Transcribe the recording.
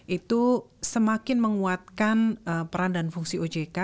itu semakin menguatkan peran dan fungsi ojk